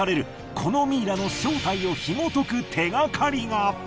このミイラの正体を紐解く手がかりが。